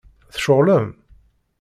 Tceɣlem?